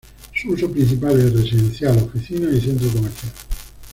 Su uso principal es: residencial, oficinas y centro comercial.